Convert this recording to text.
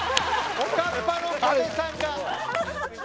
おかっぱの小手さんが。